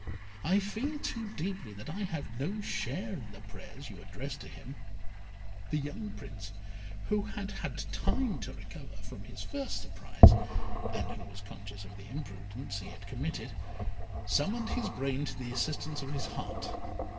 I feel too deeply that I have no share in the prayers you address to him." The young Prince, who had had time to recover from his first surprise, and who was conscious of the imprudence he had committed, summoned his brain to the assistance of his heart.